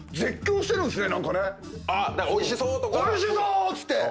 「おいしそう！」っつって。